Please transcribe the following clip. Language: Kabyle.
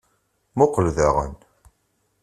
Muqqel daɣen.